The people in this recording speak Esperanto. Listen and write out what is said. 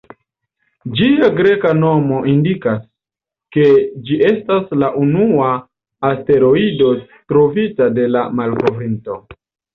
Ĝia greka nomo indikas, ke ĝi estas la unua asteroido trovita de la malkovrinto.